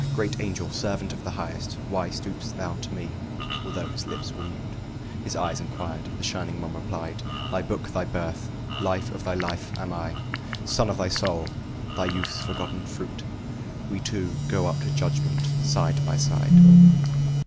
"Great Angel, servant of the Highest, why Stoop'st thou to me?" although his lips were mute, His eyes inquired. The Shining One replied: "Thy Book, thy birth, life of thy life am I, Son of thy soul, thy youth's forgotten fruit. We two go up to judgment side by side."